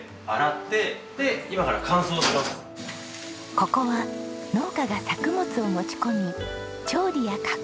ここは農家が作物を持ち込み調理や加工ができる施設。